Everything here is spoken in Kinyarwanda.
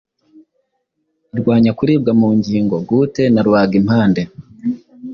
irwanya kuribwa mu ngingo, goute na rubagimpande.